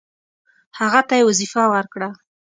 هغه ته یې وظیفه ورکړه.